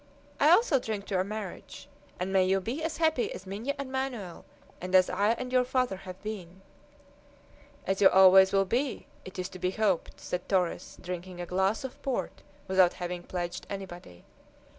"I also drink to your marriage, and may you be as happy as Minha and Manoel, and as I and your father have been!" "As you always will be, it is to be hoped," said Torres, drinking a glass of port without having pledged anybody.